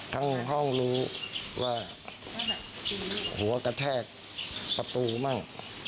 ห้องรู้ว่าหัวกระแทกประตูมั่ง